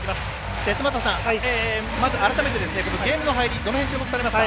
節政さん、まず改めてゲームの入りどの辺、注目されますか。